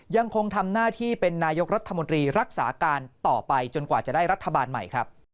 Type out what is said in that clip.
ยังคงทำหน้าที่เป็นนายกรัฐมนตรีรักษาการต่อไปจนกว่าจะได้รัฐบาลใหม่ครับ